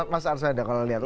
mas arsada kalau lihat